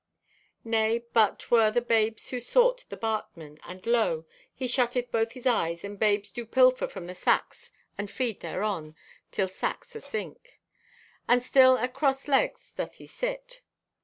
Nay, but 'twere the babes who sought the bartman, and lo, he shutteth both his eyes and babes do pilfer from the sacks and feed thereon, till sacks asink. And still at crosslegs doth he sit.